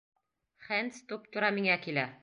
Хэндс туп-тура миңә килә.